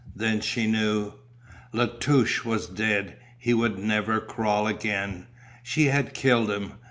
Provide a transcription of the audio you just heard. Then she knew. La Touche was dead, he would never crawl again. She had killed him.